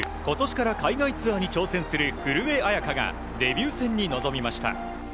今年から海外ツアーに挑戦する古江彩佳がデビュー戦に臨みました。